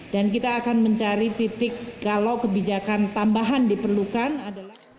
dan kita akan mencari titik kalau kebijakan tambahan diperlukan adalah